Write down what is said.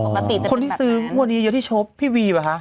อ๋อคนที่ซืมหัวดีที่เชิปพี่วีบ่คะ